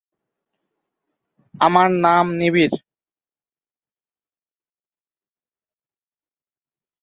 এই সংস্থার সদর দপ্তর গায়ানার রাজধানী জর্জটাউনে অবস্থিত।